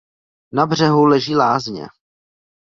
Na břehu leží lázně.